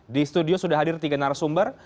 di studio sudah hadir tiga narasumber